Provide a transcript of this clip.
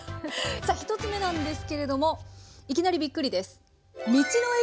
さあ１つ目なんですけれどもいきなりびっくりです。